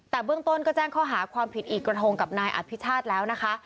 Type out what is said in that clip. แต่เบื้องต้นก็แจ้งข้อหาความผิดอีกกระทงกับนายอภิชาติแล้วนะคะ